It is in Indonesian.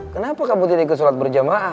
kenapa kamu tidak ikut sholat berjamaah